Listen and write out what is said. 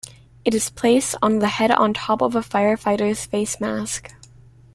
It is placed on the head on top of a firefighter's face mask.